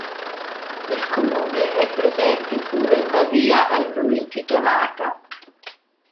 Nel comune è presente pure una via a lui intitolata.